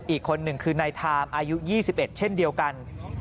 อีกคนหนึ่งคือนายทามอายุ๒๑เช่นเดียวกัน